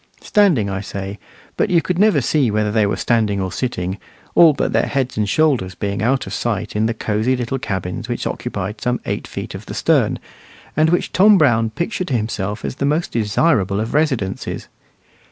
Standing I say, but you could never see whether they were standing or sitting, all but their heads and shoulders being out of sight in the cozy little cabins which occupied some eight feet of the stern, and which Tom Brown pictured to himself as the most desirable of residences.